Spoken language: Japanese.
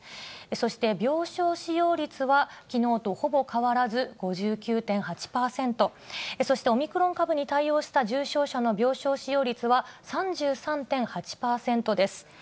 そして病床使用率はきのうとほぼ変わらず５９．８％、そしてオミクロン株に対応した重症者の病床使用率は３３．８％です。